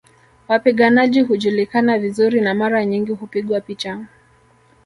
Wapiganaji hujulikana vizuri na mara nyingi hupigwa picha